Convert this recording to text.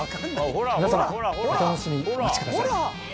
皆さまお楽しみにお待ちください。